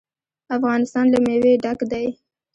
افغانستان له مېوې ډک دی.